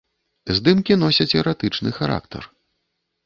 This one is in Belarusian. Здымкі носяць эратычны характар.